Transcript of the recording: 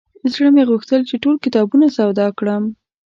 زړه مې غوښتل چې ټول کتابونه سودا کړم.